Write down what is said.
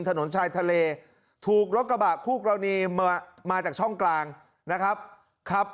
ถนนชายทะเลถูกรถกระบะคู่กรณีมามาจากช่องกลางนะครับครับ